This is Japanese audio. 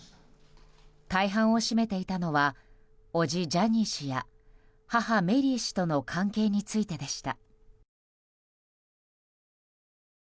大半を占めていたのは叔父ジャニー氏や母メリー氏との関係についてでした。